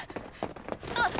あっ！